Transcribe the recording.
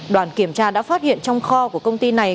đoàn kiểm tra đã phát hiện trong kho của công ty này